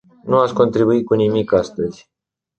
Nu ați contribuit cu nimic astăzi.